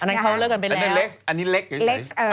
อันนั้นเขาเลือกกันไปแล้วอันนั้นเล็กส์